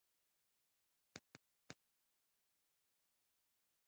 غیر عقلاني میتودونو غاړه ایښې ده